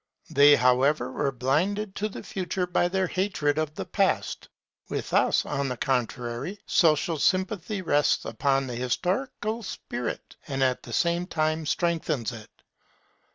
They however were blinded to the Future by their hatred of the Past. With us, on the contrary, social sympathy rests upon the historical spirit, and at the same time strengthens it.